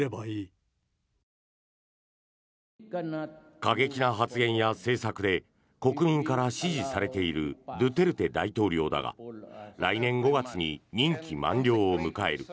過激な発言や政策で国民から支持されているドゥテルテ大統領だが来年５月に任期満了を迎える。